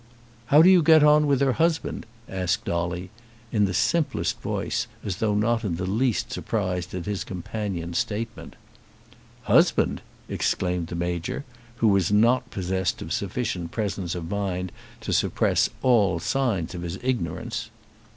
"How do you get on with her husband?" asked Dolly, in the simplest voice, as though not in the least surprised at his companion's statement. "Husband!" exclaimed the Major; who was not possessed of sufficient presence of mind to suppress all signs of his ignorance.